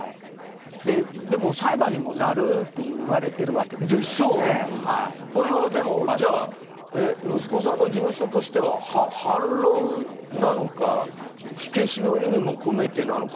でも裁判にもなるとこれは、でも息子さんの事務所としては反論なのか火消しの意味も込めてなのか。